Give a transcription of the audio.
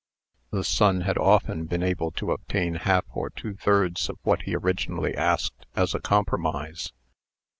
The son had often been able to obtain half or two thirds of what he originally asked, as a compromise.